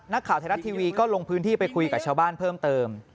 ข่าวไทยรัฐทีวีก็ลงพื้นที่ไปคุยกับชาวบ้านเพิ่มเติม